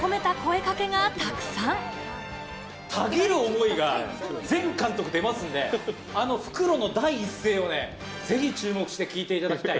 たぎる思いが、全監督出ますんで、あの復路の第一声をぜひ注目して聞いていただきたい。